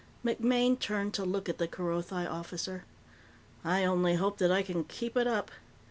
MacMaine turned to look at the Kerothi officer. "I only hope that I can keep it up.